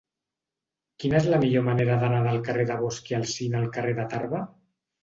Quina és la millor manera d'anar del carrer de Bosch i Alsina al carrer de Tarba?